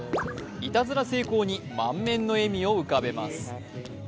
いたずら成功に満面の笑みを浮かべます。